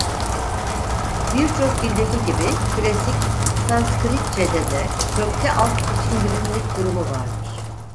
Birçok dildeki gibi Klasik Sanskritçede de kökte altbiçimbirimlik durumu vardır.